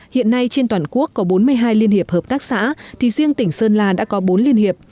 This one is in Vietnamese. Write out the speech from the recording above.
hiện nay trên toàn quốc có bốn mươi hai liên hiệp hợp tác xã thì riêng tỉnh sơn la đã có bốn liên hiệp